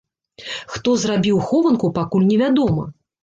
Хто зрабіў хованку, пакуль не вядома.